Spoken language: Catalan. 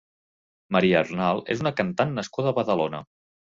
Maria Arnal és una cantant nascuda a Badalona.